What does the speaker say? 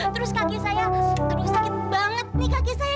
terus kaki saya aduh sakit banget di kaki saya